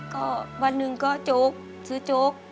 ก็วันหนึ่งก็โจ๊กซื้อโจ๊ก